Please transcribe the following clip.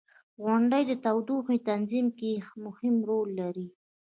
• غونډۍ د تودوخې تنظیم کې مهم رول لري.